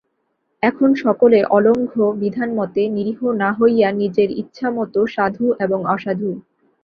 এখন সকলে অলঙ্ঘ্য বিধানমতে নিরীহ না হইয়া নিজের ইচ্ছামতে সাধু এবং অসাধু।